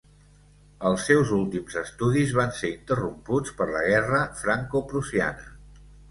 Els seus últims estudis van ser interromputs per la Guerra Franco-Prusiana.